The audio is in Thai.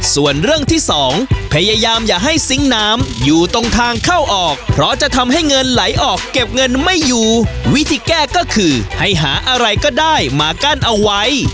ส่วนเรื่องที่สองพยายามอย่าให้ซิงค์น้ำอยู่ตรงทางเข้าออกเพราะจะทำให้เงินไหลออกเก็บเงินไม่อยู่วิธีแก้ก็คือให้หาอะไรก็ได้มากั้นเอาไว้